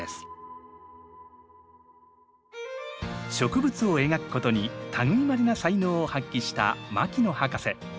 植物を描くことに類いまれな才能を発揮した牧野博士。